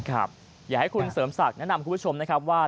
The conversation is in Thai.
อยากให้คุณเสริมศักดิ์แนะนำคุณผู้ชมนะครับว่า